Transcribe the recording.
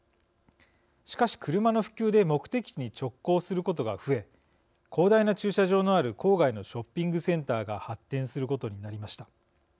しかし、車の普及で目的地に直行することが増え広大な駐車場のある郊外のショッピングセンターが発展することになりました。